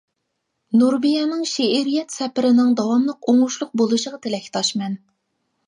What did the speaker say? نۇربىيەنىڭ شېئىرىيەت سەپىرىنىڭ داۋاملىق ئوڭۇشلۇق بولۇشىغا تىلەكداشمەن!